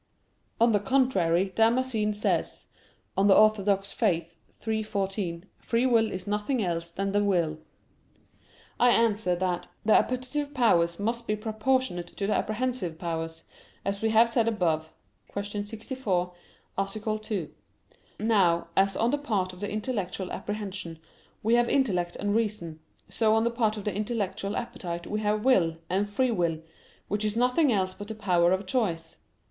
On the contrary, Damascene says (De Fide Orth. iii, 14) free will is nothing else than the will. I answer that, The appetitive powers must be proportionate to the apprehensive powers, as we have said above (Q. 64, A. 2). Now, as on the part of the intellectual apprehension we have intellect and reason, so on the part of the intellectual appetite we have will, and free will which is nothing else but the power of choice.